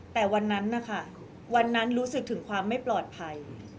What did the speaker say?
แต่วันนั้นนะคะวันนั้นรู้สึกถึงความไม่ปลอดภัย